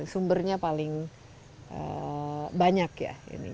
sumbernya paling banyak ya